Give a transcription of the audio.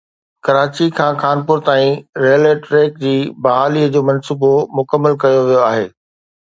ڪراچي کان خانپور تائين railway track جي بحالي جو منصوبو مڪمل ڪيو ويو آهي